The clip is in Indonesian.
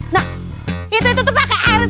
nah itu itu tuh pakai air